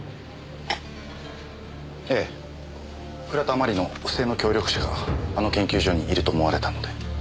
倉田真理の不正の協力者があの研究所にいると思われたので。